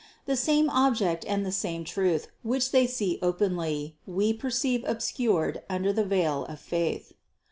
The same object and the same truth, which they see openly, we perceive obscured under the veil of faith.